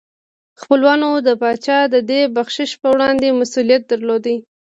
خپلوانو د پاچا د دې بخشش په وړاندې مسؤلیت درلود.